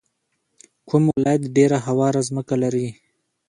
کوم ولایت ډیره هواره ځمکه لري؟